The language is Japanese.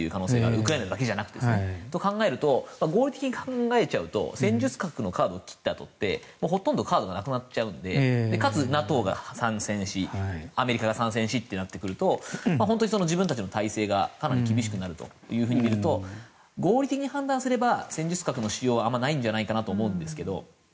ウクライナだけじゃなくて。と考えると合理的に考えちゃうと戦術核のカードを切ったあとってほとんどカードがなくなっちゃうのでかつ、ＮＡＴＯが参戦しアメリカが参戦しってなってくると本当に自分たちの体制がかなり厳しくなると見ると合理的に判断すれば戦術核の使用はあまりないんじゃないかなと思うんですけど。